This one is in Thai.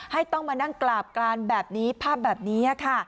ต้องมานั่งกราบกรานแบบนี้ภาพแบบนี้ค่ะ